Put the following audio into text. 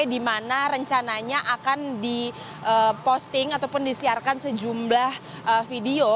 dimana rencananya akan diposting ataupun disiarkan sejumlah video